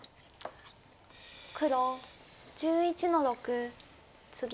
黒１１の六ツギ。